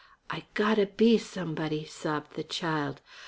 "I gotta be somebody," sobbed the child.